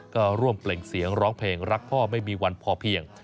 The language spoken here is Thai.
ก็ร่วมเปล่งเสียงร้องเพลงรักพ่อไม่มีวันพอเพียง